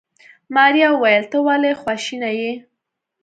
ماريا وويل ته ولې خواشيني يې.